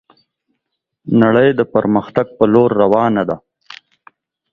نړي د پرمختګ په لور روانه ده